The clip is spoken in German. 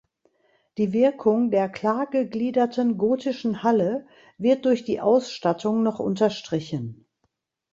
Die Wirkung der klar gegliederten gotischen Halle wird durch die Ausstattung noch unterstrichen.